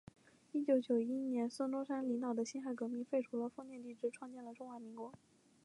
一九一一年孙中山先生领导的辛亥革命，废除了封建帝制，创立了中华民国。